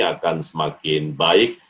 akan semakin baik